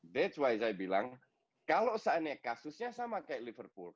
itulah kenapa saya bilang kalau saatnya kasusnya sama seperti liverpool